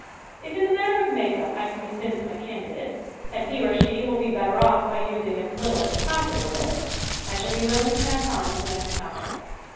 If in the matter of make up I can convince my candidate that he or she will be better off by using as little as possible of it, I shall be willing to pass on to the next topic.